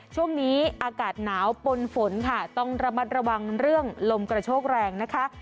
ช่วงนี้อากาศหนาวปนฝนค่ะต้องระมัดระวังเรื่องลมกระโชกแรงนะคะ